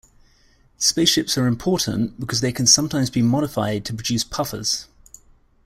Spaceships are important because they can sometimes be modified to produce puffers.